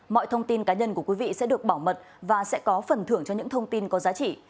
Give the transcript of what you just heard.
mọi thông tin cá nhân của quý vị sẽ được bảo mật và sẽ có phần thưởng cho những thông tin có giá trị